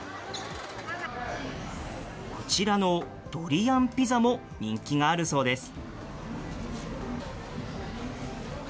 こちらのドリアンピザも人気があるそうです。